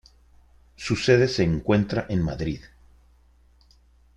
Su sede se encuentra en Madrid.